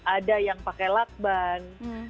ada yang pakai lakban